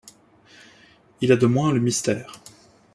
Il a de moins le mystère.